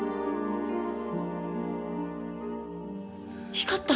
光った！